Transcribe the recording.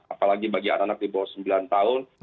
apalagi bagi anak anak di bawah sembilan tahun